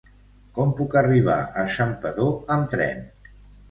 Com puc arribar a Santpedor amb tren?